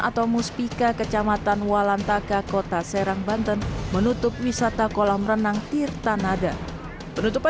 atau muspika kecamatan walantaka kota serang banten menutup wisata kolam renang tirta nada penutupan